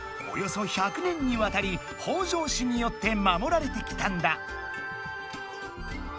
およそ１００年にわたり北条氏によって守られてきたんだ。